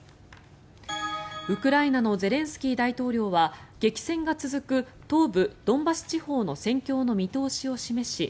ウクライナのゼレンスキー大統領は激戦が続く東部ドンバス地方の戦況の見通しを示し